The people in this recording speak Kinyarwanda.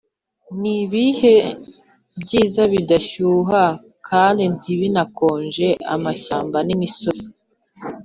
n'ibihe byiza bidashyuha kandi ntibinakonje. amashyamba, imisozi